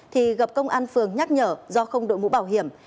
thì gặp công an phường nhắc nhở do không đội mũ bảo hiểm